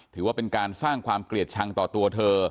ถือว่าเป็นการสร้างความเกลียดชังต่อตัวเธอ